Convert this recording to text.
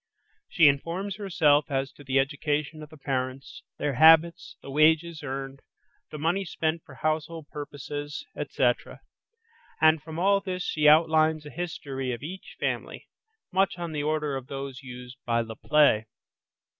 She informs herself as to the education of the parents, their habits, the wages earned, the money spent for household purposes, etc., and from all this she outlines a history of each family, much on the order of those used by Le Play.